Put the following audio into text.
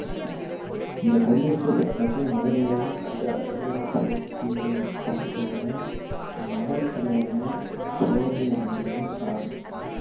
இந்தக் கையூட்டுப் பழக்கத்தை முதன் முதலில் கண்டு அறிமுகப்படுத்தியமை மதத்தலைவர்களையும் புரோகிதர்களையுமே சாரும்.